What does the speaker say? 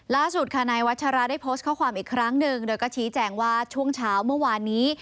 ล่าสุดค่ะนายวัชราได้โพสต์ข้อความอีกครั้งหนึ่งโดยก็ชี้แจงว่าช่วงเช้าเมื่อวานนี้